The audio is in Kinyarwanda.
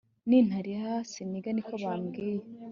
Nintariha siniga niko bambwiye